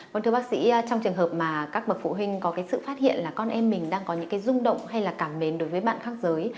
vâng thưa bác sĩ trong trường hợp mà các bậc phụ huynh có cái sự phát hiện là con em mình đang có những cái rung động hay là cảm mến đối với bạn khác giới